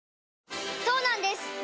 そうなんです